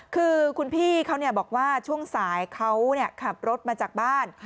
คือคุณพี่เขาบอกว่าช่วงสายเขาขับรถมาจากบ้าน